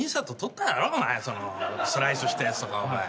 スライスしたやつとか。